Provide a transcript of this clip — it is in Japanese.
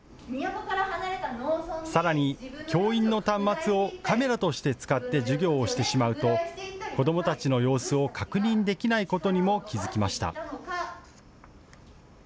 さらに教員の端末をカメラとして使って授業をしてしまうと子どもたちの様子を確認できないことにも気付きました。